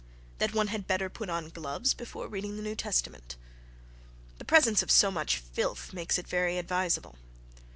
That one had better put on gloves before reading the New Testament. The presence of so much filth makes it very advisable.